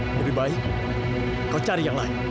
lebih baik kau cari yang lain